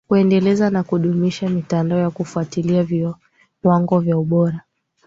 kuendeleza na kudumisha mitandao ya kufuatilia viwango vya ubora